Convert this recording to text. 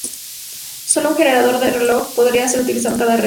Sólo un generador de reloj podría ser utilizado en cada red.